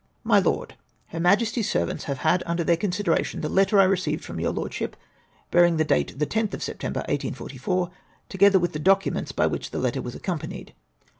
My LorxD, — Her Majesty's servants have had under their consideration the letter I received from your Lordship, bearing date the 10th of Septeml)er 1844, together with the docu ments by which that letter was accompanied.